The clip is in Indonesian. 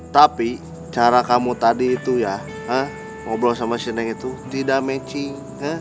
tapi cara kamu tadi itu ya ngobrol sama sineng itu tidak matching